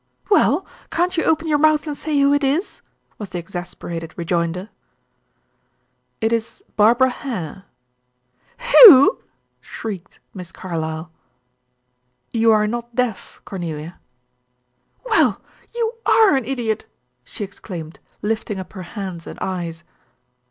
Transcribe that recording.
"Well, can't you open your mouth and say who it is?" was the exasperated rejoinder. "It is Barbara Hare." "Who?" shrieked Miss Carlyle. "You are not deaf, Cornelia." "Well, you are an idiot!" she exclaimed, lifting up her hands and eyes.